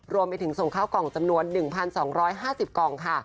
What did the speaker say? รวมไปถึงส่งข้าวกล่องจำนวน๑๒๕๐กล่องค่ะ